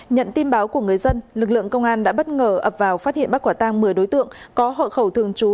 nhận tin báo của người dân lực lượng công an đã bất ngờ ập vào phát hiện bắt quả tang một mươi đối tượng có hộ khẩu thường trú